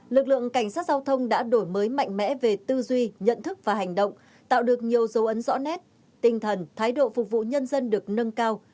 lực lượng cảnh sát giao thông đã đổi mới mạnh mẽ về tư duy nhận thức và hành động tạo được nhiều dấu ấn rõ nét tinh thần thái độ phục vụ nhân dân được nâng cao